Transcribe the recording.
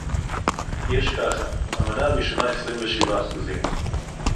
יש ככה: המנה הראשונה עשרים ושבעה אחוזים